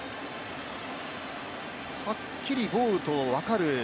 はっきりボールと分かる。